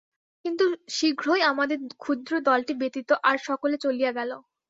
কিন্তু শীঘ্রই আমাদের ক্ষুদ্র দলটি ব্যতীত আর সকলে চলিয়া গেল।